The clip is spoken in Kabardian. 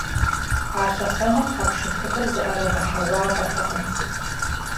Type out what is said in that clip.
А лъэхъэнэм хьэпшыпыфӏыр зыӏэрыгъэхьэгъуафӏэтэкъым.